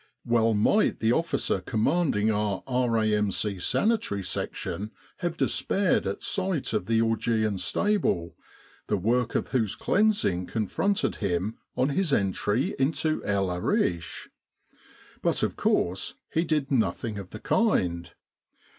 Well might the officer commanding our R.A.M.C. Sanitary Section have despaired at sight 141 With the R.A.M.C. in Egypt of the Augean stable, the work of whose cleansing confronted him on his entry into El Arish. But of course he did nothing of the kind.